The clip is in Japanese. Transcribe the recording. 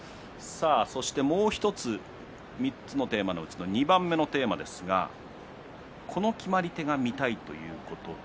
そして、もう１つ３つのテーマのうちの２番目のテーマですがこの決まり手が見たい。